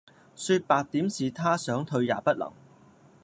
說白點是他想退也不能